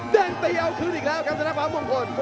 แดงตีเอาคลึกอีกแล้วครับกำสัญลักษณ์ฟ้าบุคคล